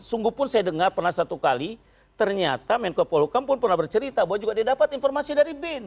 sungguhpun saya dengar pernah satu kali ternyata menko polokam pun pernah bercerita bahwa dia dapat informasi dari bin